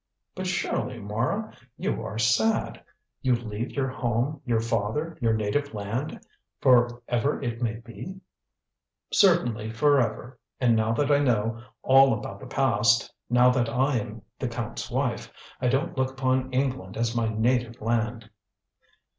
"But surely, Mara, you are sad. You leave your home, your father, your native land, for ever it may be." "Certainly for ever. And now that I know all about the past, now that I am the Count's wife, I don't look upon England as my native land."